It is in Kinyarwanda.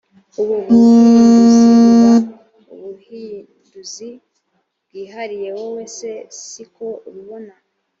ubu buhinduzi buba ubuhinduzi bwihariye wowe se si ko ubibona